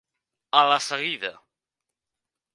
A la seguida.